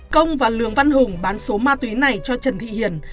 công và lường văn hùng bán số ma túy này cho trần thị hiền